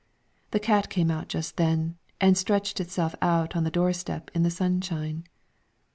The cat came out just then, and stretched itself out on the door step, in the sunshine.